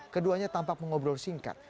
keduanya tampak mengobrol simpan